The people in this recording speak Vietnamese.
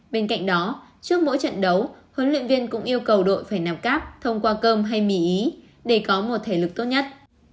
bên cạnh đó trước mỗi trận đấu huấn luyện viên cũng yêu cầu đội phải nằm cáp thông qua cơm hay mỉ ý để có một thể lực tốt nhất